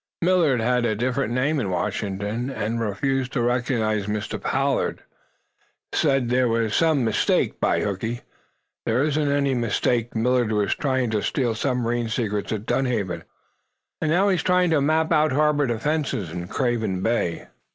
Millard had a different name in Washington, and refused to recognize Mr. Pollard said there was some mistake. By hookey! There isn't any mistake. Millard was trying to steal submarine secrets at Dunhaven, and now he's trying to map out harbor defenses in Craven Bay!"